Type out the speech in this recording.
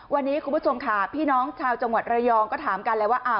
วันนี้คุณผู้ชมค่ะพี่น้องชาวจังหวัดระยองก็ถามกันแล้วว่า